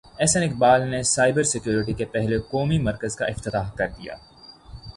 احسن اقبال نے cyber security کے پہلے قومی مرکز کا افتتاح کر دیا